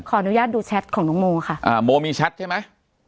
ขออนุญาตดูแชทของน้องโมค่ะอ่าโมมีแชทใช่ไหม